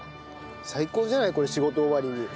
最高じゃないこれ仕事終わりに。